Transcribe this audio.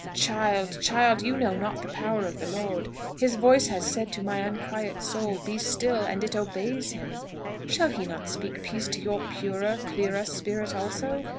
Child, child, you know not the power of the Lord. His voice has said to my unquiet soul, 'Be still,' and it obeys Him. Shall He not speak peace to your purer, clearer spirit also?